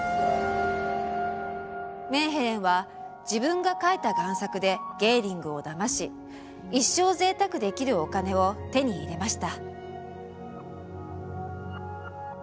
メーヘレンは自分が描いた贋作でゲーリングをだまし一生ぜいたくできるお金を手に入れました。